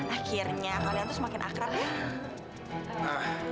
akhirnya kalian tuh semakin akrab ya